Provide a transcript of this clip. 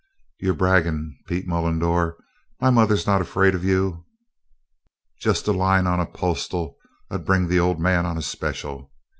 "You're bragging, Pete Mullendore. My mother's not afraid of you." "Jest a line on a postal ud bring the Old Man on a special.